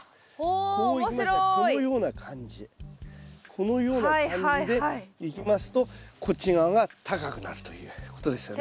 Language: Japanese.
このような感じでいきますとこっち側が高くなるということですよね。